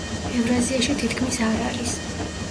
ევრაზიაში თითქმის არ არის.